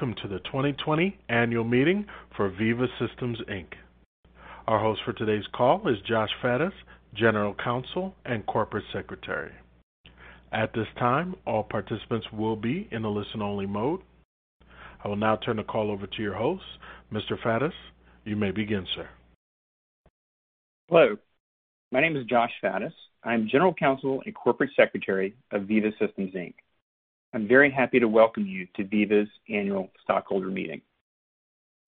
Welcome to the 2020 annual meeting for Veeva Systems Inc. Our host for today's call is Josh Faddis, General Counsel and Corporate Secretary. At this time, all participants will be in a listen-only mode. I will now turn the call over to your host. Mr. Faddis, you may begin, sir. Hello. My name is Josh Faddis. I'm General Counsel and Corporate Secretary of Veeva Systems Inc. I'm very happy to welcome you to Veeva's annual stockholder meeting.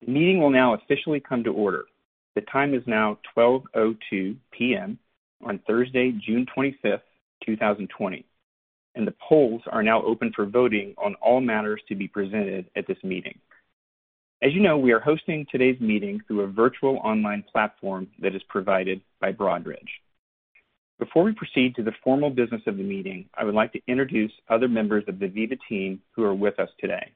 The meeting will now officially come to order. The time is now 12:02 P.M. on Thursday, June 25th, 2020, and the polls are now open for voting on all matters to be presented at this meeting. As you know, we are hosting today's meeting through a virtual online platform that is provided by Broadridge. Before we proceed to the formal business of the meeting, I would like to introduce other members of the Veeva team who are with us today.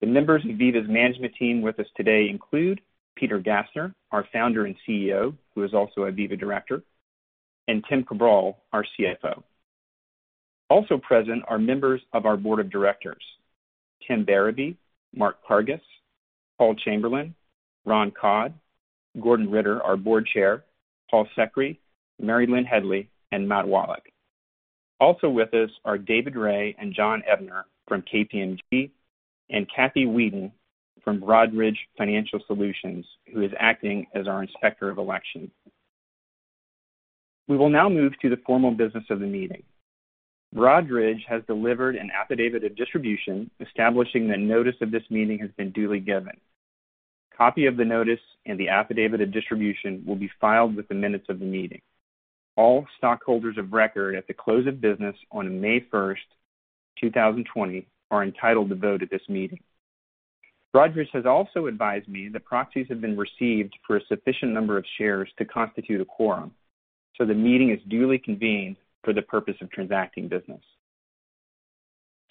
The members of Veeva's management team with us today include Peter Gassner, our Founder and CEO, who is also a Veeva director, and Tim Cabral, our CFO. Also present are members of our Board of Directors, Tim Barabe, Mark Carges, Paul Chamberlain, Ron Codd, Gordon Ritter, our Board Chair, Paul Sekhri, Mary Lynne Hedley, and Matt Wallach. Also with us are David Ray and John Ebner from KPMG, and Cathy Weeden from Broadridge Financial Solutions, who is acting as our Inspector of Election. We will now move to the formal business of the meeting. Broadridge has delivered an affidavit of distribution establishing that notice of this meeting has been duly given. Copy of the notice and the affidavit of distribution will be filed with the minutes of the meeting. All stockholders of record at the close of business on May 1st, 2020, are entitled to vote at this meeting. Broadridge has also advised me that proxies have been received for a sufficient number of shares to constitute a quorum. The meeting is duly convened for the purpose of transacting business.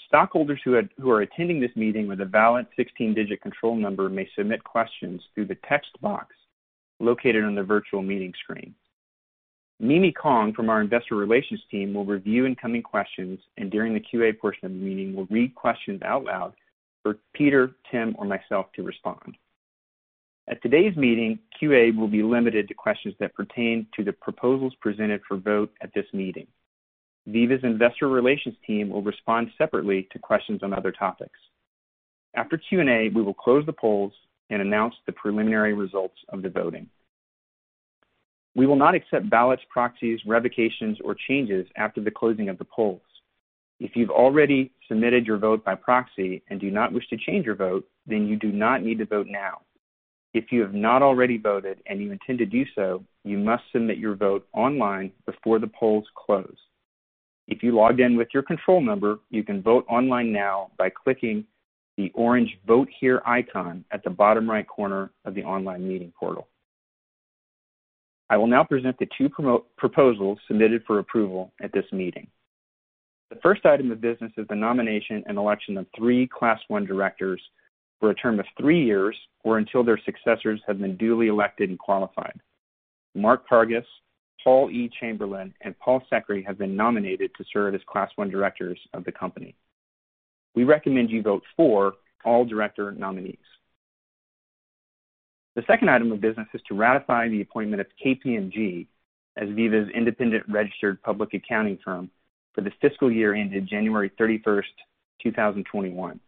Stockholders who are attending this meeting with a valid 16-digit control number may submit questions through the text box located on the virtual meeting screen. Mimi Kong from our investor relations team will review incoming questions. During the QA portion of the meeting, will read questions out loud for Peter, Tim, or myself to respond. At today's meeting, QA will be limited to questions that pertain to the proposals presented for vote at this meeting. Veeva's investor relations team will respond separately to questions on other topics. After Q&A, we will close the polls and announce the preliminary results of the voting. We will not accept ballots, proxies, revocations, or changes after the closing of the polls. If you've already submitted your vote by proxy and do not wish to change your vote, you do not need to vote now. If you have not already voted and you intend to do so, you must submit your vote online before the polls close. If you logged in with your control number, you can vote online now by clicking the orange Vote Here icon at the bottom right corner of the online meeting portal. I will now present the two proposals submitted for approval at this meeting. The first item of business is the nomination and election of three Class I directors for a term of three years or until their successors have been duly elected and qualified. Mark Carges, Paul E. Chamberlain, and Paul Sekhri have been nominated to serve as Class I directors of the company. We recommend you vote for all director nominees. The second item of business is to ratify the appointment of KPMG as Veeva's independent registered public accounting firm for the fiscal year ended January 31st, 2021.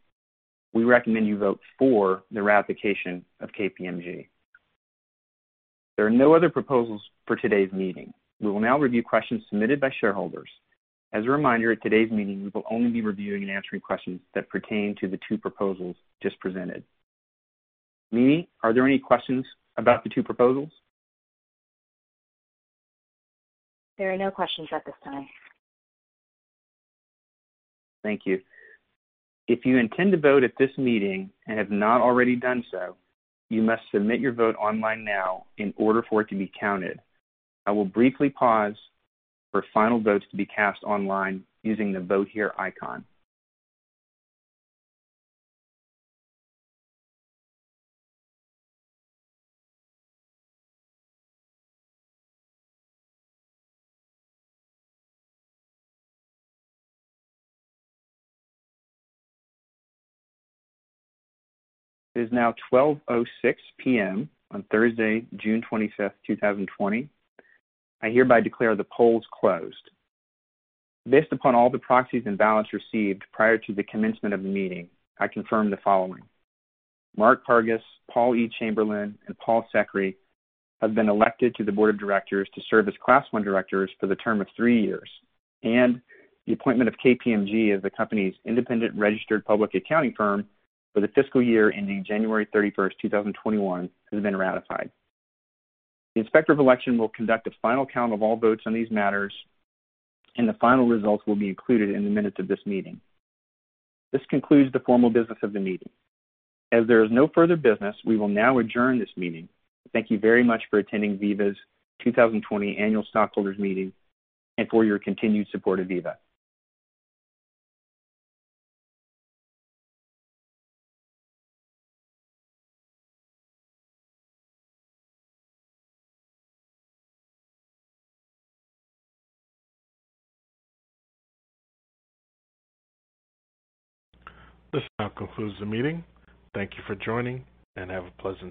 We recommend you vote for the ratification of KPMG. There are no other proposals for today's meeting. We will now review questions submitted by shareholders. As a reminder, at today's meeting, we will only be reviewing and answering questions that pertain to the two proposals just presented. Mimi, are there any questions about the two proposals? There are no questions at this time. Thank you. If you intend to vote at this meeting and have not already done so, you must submit your vote online now in order for it to be counted. I will briefly pause for final votes to be cast online using the Vote Here icon. It is now 12:06 P.M. on Thursday, June 25th, 2020. I hereby declare the polls closed. Based upon all the proxies and ballots received prior to the commencement of the meeting, I confirm the following: Mark Carges, Paul E. Chamberlain, and Paul Sekhri have been elected to the board of directors to serve as Class I directors for the term of three years, and the appointment of KPMG as the company's independent registered public accounting firm for the fiscal year ending January 31st, 2021, has been ratified. The Inspector of Election will conduct a final count of all votes on these matters, and the final results will be included in the minutes of this meeting. This concludes the formal business of the meeting. As there is no further business, we will now adjourn this meeting. Thank you very much for attending Veeva's 2020 annual stockholders meeting and for your continued support of Veeva. This now concludes the meeting. Thank you for joining, and have a pleasant day.